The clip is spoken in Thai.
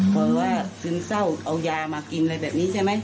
เพราะว่าซึมเศร้าเอายามากินอะไรแบบนี้ใช่ไหม